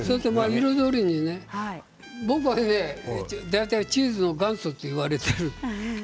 彩りにね、僕は大体チーズの元祖といわれている。